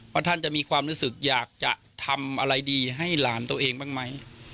ท่านจะมีความรู้สึกอยากจะทำอะไรดีให้หลานตัวเองบ้างไหม